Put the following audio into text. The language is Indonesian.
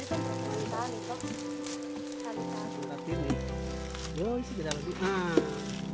ini kan sudah